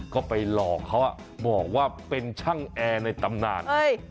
ก็ไปหลอกเขาบอกว่าเป็นช่างแอร์ในตำนาน